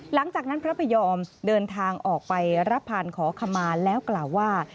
หลังจากนั้นพระพยอมเดินทางออกไปรับผ่านขอขมาแล้วกล่าวว่า